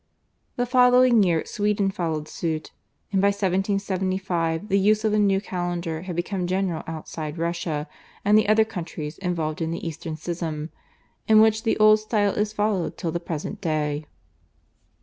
The following year Sweden followed suit, and by 1775 the use of the new calendar had become general outside Russia and the other countries involved in the Eastern schism, in which the old style is followed till the present day.